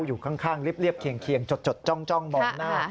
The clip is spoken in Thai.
อยู่ข้างเรียบเคียงจดจ้องมองหน้า